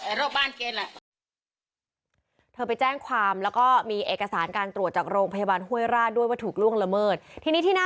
เออมีสุดยางนี้